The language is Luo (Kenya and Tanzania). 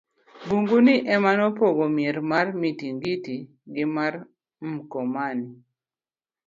bungu ni ema nopogo mier mar Mtingiti gi mar Mkomani